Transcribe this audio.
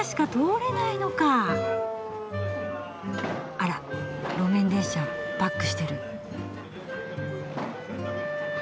あら路面電車バックしてる。